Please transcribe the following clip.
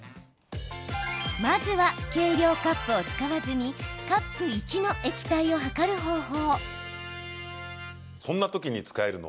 まずは計量カップを使わずにカップ１の液体を量る方法。